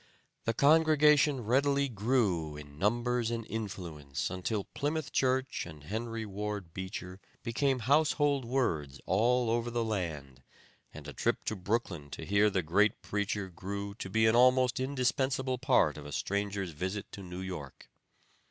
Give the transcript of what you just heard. The congregation readily grew in numbers and influence until Plymouth Church and Henry Ward Beecher became household words all over the land, and a trip to Brooklyn to hear the great preacher grew to be an almost indispensable part of a stranger's visit to New York.